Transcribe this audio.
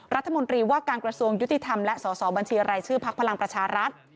รัฐมนตรีว่าการกระทรวงยุติธรรมและสอสอบัญชีรายชื่อพักพลังประชารัฐ